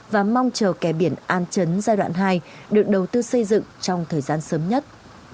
và mong chờ kẻ biển an chấn giai đoạn hai được đầu tư xây dựng trong thời gian sớm nhất